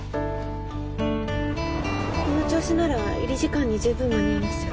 この調子なら入り時間に十分間に合いますよ。